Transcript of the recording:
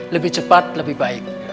lebih cepat lebih baik